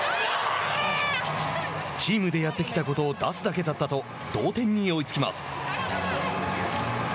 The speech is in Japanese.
チームでやってきたことを出すだけだったと同点に追いつきます。